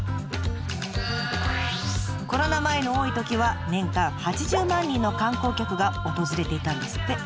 コロナ前の多いときは年間８０万人の観光客が訪れていたんですって。